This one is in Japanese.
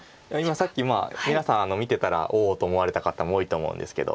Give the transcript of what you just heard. さっき皆さん見てたら「おお」と思われた方も多いと思うんですけど。